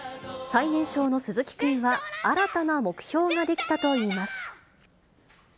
最年少の鈴木君は、新たな目標が出来たといいます。